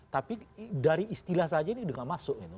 tapi dari istilah saja ini udah gak masuk gitu